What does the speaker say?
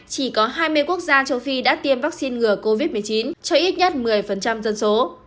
chỉ có hai mươi quốc gia châu phi đã tiêm vaccine ngừa covid một mươi chín cho ít nhất một mươi dân số